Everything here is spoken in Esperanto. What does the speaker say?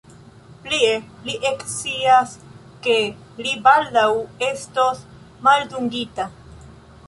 Plie, li ekscias, ke li baldaŭ estos maldungita.